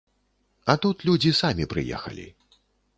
А тут людзі самі прыехалі.